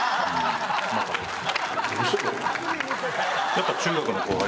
やっぱ中学の後輩。